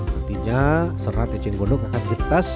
nantinya serat eceng gondok akan ditas